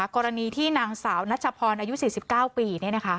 กรณีที่นางสาวนัชพรอายุ๔๙ปี